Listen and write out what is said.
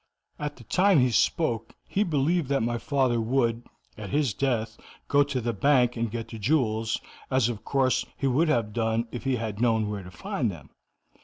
At the time he spoke he believed that my father would, at his death, go to the bank and get the jewels, as of course he would have done if he had known where to find them.